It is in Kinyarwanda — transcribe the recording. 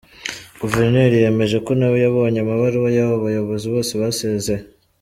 Guverineri yemeje ko nawe yabonye amabaruwa y’abo bayobozi bose basezeye.